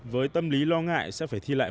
với tâm lý lo ngại sẽ phải thi lại